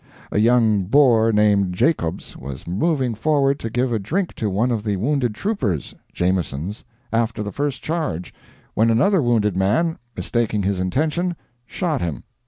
"A young Boer named Jacobz was moving forward to give a drink to one of the wounded troopers (Jameson's) after the first charge, when another wounded man, mistaking his intention; shot him."